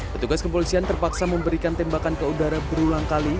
petugas kepolisian terpaksa memberikan tembakan ke udara berulang kali